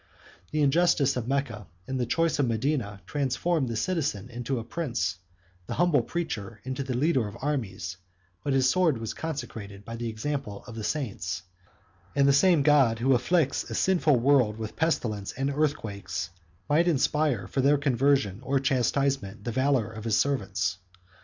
The injustice of Mecca and the choice of Medina, transformed the citizen into a prince, the humble preacher into the leader of armies; but his sword was consecrated by the example of the saints; and the same God who afflicts a sinful world with pestilence and earthquakes, might inspire for their conversion or chastisement the valor of his servants.